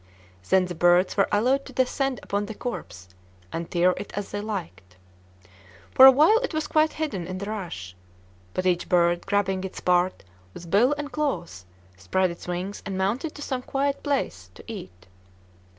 Then the birds were allowed to descend upon the corpse and tear it as they liked. For a while it was quite hidden in the rush. But each bird, grabbing its part with bill and claws, spread its wings and mounted to some quiet place to eat.